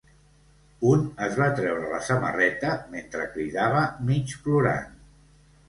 Un es va treure la samarreta mentre cridava mig plorant.